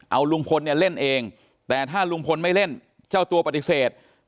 เอาลุงพลเนี่ยเล่นเองแต่ถ้าลุงพลไม่เล่นเจ้าตัวปฏิเสธ